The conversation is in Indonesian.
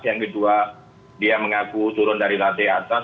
yang kedua dia mengaku turun dari latih atas